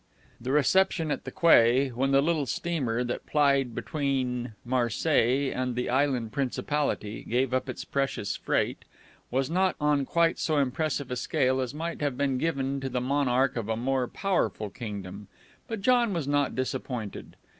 The reception at the quay, when the little steamer that plied between Marseilles and the island principality gave up its precious freight, was not on quite so impressive a scale as might have been given to the monarch of a more powerful kingdom; but John was not disappointed.